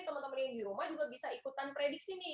teman teman yang di rumah juga bisa ikutan prediksi nih